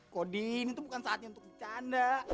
kodi ini tuh bukan saatnya untuk bercanda